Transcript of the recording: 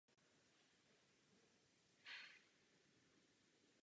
Založila školu rodičovství v Buenos Aires.